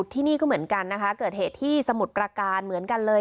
ที่นี่ก็เหมือนกันนะคะเกิดเหตุที่สมุทรประการเหมือนกันเลย